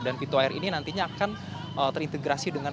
dan pintu air ini nantinya akan terintegrasi dengan